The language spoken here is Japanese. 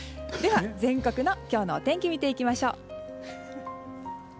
では全国の今日のお天気見ていきましょう。